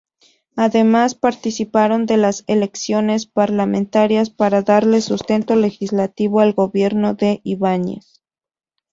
Además participaron de las elecciones parlamentarias para darle sustento legislativo al gobierno de Ibáñez.